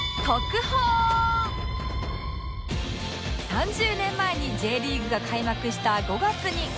３０年前に Ｊ リーグが開幕した５月に